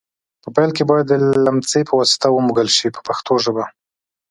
په پیل کې باید د لمڅي په واسطه ومږل شي په پښتو ژبه.